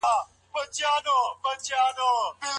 ښه تعليم د لور لپاره څه ګټه لري؟